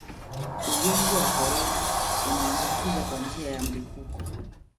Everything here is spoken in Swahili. ugonjwa wa korona unaambukiza kwa njia ya mlipuko